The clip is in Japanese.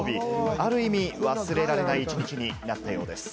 ある意味、忘れられない一日になったようです。